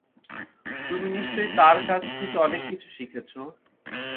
তুমি নিশ্চয়ই তার কাছ থেকে অনেক কিছু শিখেছ।